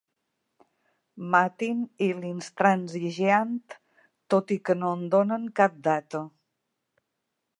Matin i L'Instransigeant, tot i que no en donen cap data.